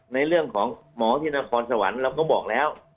ในเรื่องของหมอพินพรสวรรค์ก็บอกแล้ว